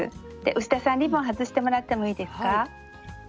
牛田さんリボン外してもらってもいいですか？